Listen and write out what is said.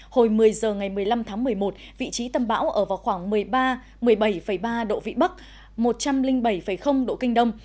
hồi một mươi h ngày một mươi năm tháng một mươi một vị trí tâm bão ở vào khoảng một mươi ba một mươi bảy ba độ vĩ bắc một trăm linh bảy độ kinh đông